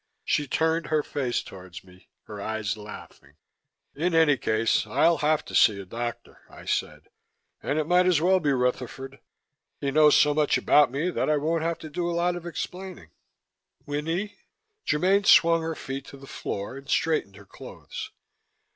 She turned her face towards me, her eyes laughing. "In any case, I'll have to see a doctor," I said, "and it might as well be Rutherford. He knows so much about me that I won't have to do a lot of explaining." "Winnie!" Germaine swung her feet to the floor and straightened her clothes.